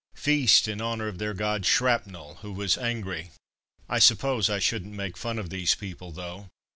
Feast in honour of their god "Shrapnel," who was "angry." I suppose I shouldn't make fun of these people though.